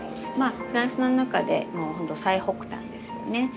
まあフランスの中でもうほんと最北端ですよね。